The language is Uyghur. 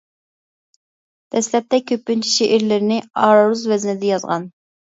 دەسلەپتە كۆپىنچە شېئىرلىرىنى ئارۇز ۋەزىندە يازغان.